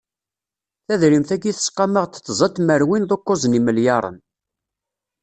Tadrimit-agi tesqam-aɣ-d tẓa tmerwin d ukkuẓ n yimelyaṛen.